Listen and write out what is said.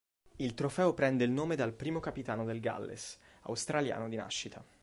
Il trofeo prende il nome dal primo capitano del Galles, australiano di nascita.